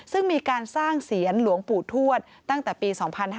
ซึ่งมีการสร้างเสียรหลวงปู่ทวดตั้งแต่ปี๒๕๕๙